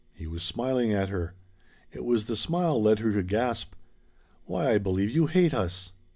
He was smiling at her. It was the smile led her to gasp: "Why I believe you hate us!"